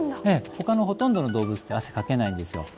他のほとんどの動物って汗かけないんですよ